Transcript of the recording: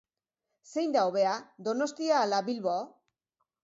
Zein da hobea? Donostia ala Bilbo?